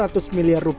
mengonservasi dana vuw